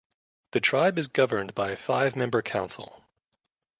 The tribe is governed by a five-member council.